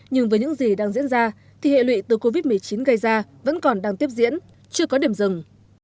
nhưng với những gì đang diễn ra thì hệ lụy từ covid một mươi chín gây ra vẫn còn đang tiếp diễn chưa có điểm dừng